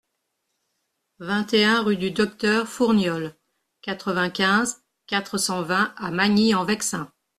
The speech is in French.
vingt et un rue du Docteur Fourniols, quatre-vingt-quinze, quatre cent vingt à Magny-en-Vexin